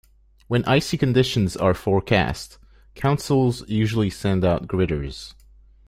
When icy conditions are forecast, councils usually send out gritters.